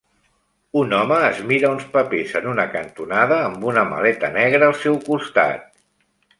Un home es mira uns papers en una cantonada amb una maleta negra al seu costat.